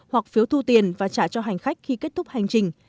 hoặc phiếu thu tiền và trả cho hành khách khi kết thúc hành trình